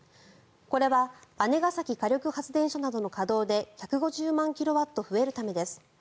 これは姉崎火力発電所などの稼働で１５０万キロワット増えるためです。